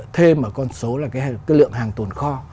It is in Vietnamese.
thêm ở con số là cái lượng hàng tồn kho